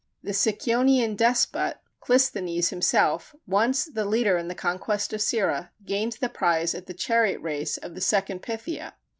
The Sicyonian despot, Clisthenes himself, once the leader in the conquest of Cirrha, gained the prize at the chariot race of the second Pythia.